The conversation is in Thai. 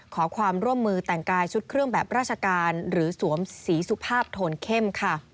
ขอความร่วมมือแต่งกายชุดเครื่องแบบราชการหรือสวมสีสุภาพโทนเข้มค่ะ